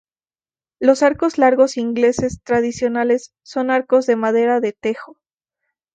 Los arcos largos ingleses tradicionales son arcos de madera de tejo.